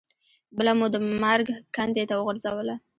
بله مو د مرګ کندې ته وغورځوله.